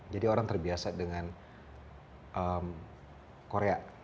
jadi orang terbiasa dengan korea